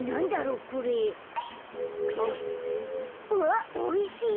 うわっおいしい。